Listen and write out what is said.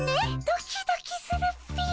ドキドキするっピィ。